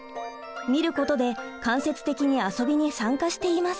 見ることで間接的に遊びに参加しています。